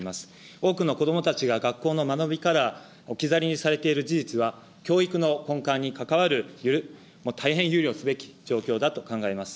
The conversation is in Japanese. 多くのこどもたちが学校の学びから置き去りにされている事実は教育の根幹に関わる、大変憂慮すべき状況だと考えます。